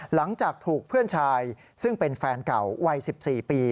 หลังจากถูกเพื่อนชายซึ่งเป็นแฟนเก่าวัย๑๔ปี